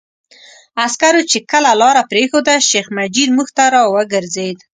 عسکرو چې کله لاره پرېښوده، شیخ مجید موږ ته را وګرځېد.